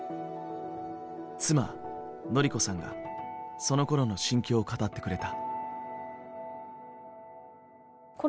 妻典子さんがそのころの心境を語ってくれた。